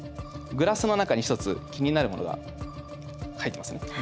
グラスの中に一つ気になるものが入ってますね？